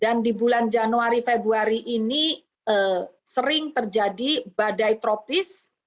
dan di bulan januari februari ini sering terjadi badai tropis